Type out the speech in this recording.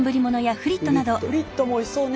フリットもおいしそうね。